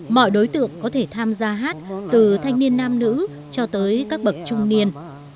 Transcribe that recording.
mọi đối tượng có thể tham gia hát từ thanh niên nam nữ cho tới các bậc trung niên